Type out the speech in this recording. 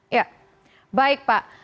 iya baik pak